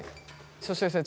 そしてですね